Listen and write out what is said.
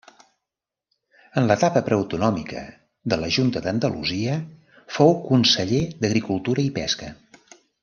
En l'etapa preautonòmica de la Junta d'Andalusia fou Conseller d'Agricultura i Pesca.